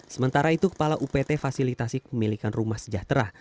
sementara itu kepala upt fasilitasi kepemilikan rumah sejahtera